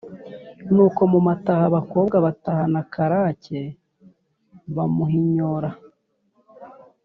nuko mu mataha abakobwa batahana karake bamuhinyora